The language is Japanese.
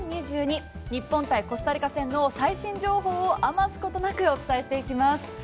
日本対コスタリカ戦の最新情報を余すことなくお伝えしていきます。